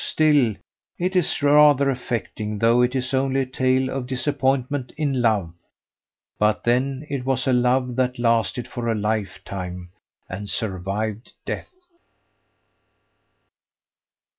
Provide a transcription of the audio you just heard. Still it is rather affecting, though it is only a tale of disappointment in love; but then it was a love that lasted for a lifetime and survived death."